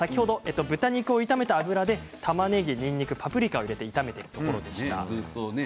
豚肉を炒めた油で、たまねぎにんにく、パプリカを炒めているところでした。